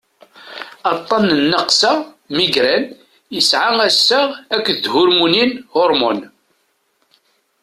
aṭṭan n nnaqsa migraine yesɛa assaɣ akked thurmunin hormones